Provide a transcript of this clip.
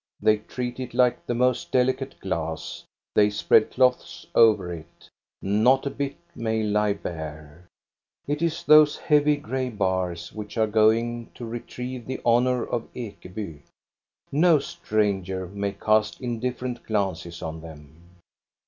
They treat it like the most delicate glass, they spread cloths over it. Not a bit may lie bare. It is those heavy, gray bars which are going retrieve the honor of Ekeby. No stranger may it indifferent glances on them.